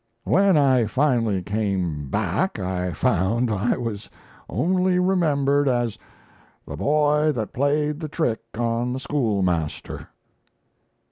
When I finally came back I found I was only remembered as 'the boy that played the trick on the schoolmaster.'"